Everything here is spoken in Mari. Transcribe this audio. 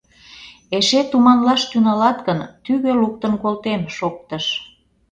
— Эше туманлаш тӱҥалат гын, тӱгӧ луктын колтем, — шоктыш.